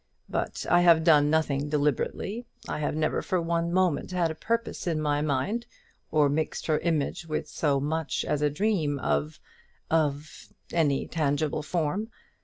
But I have done nothing deliberately. I have never for one moment had any purpose in my mind, or mixed her image with so much as a dream of of any tangible form.